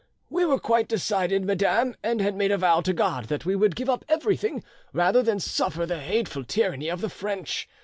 We were quite decided, madam, and had made a vow to God that we would give up everything rather than suffer the hateful tyranny of the French.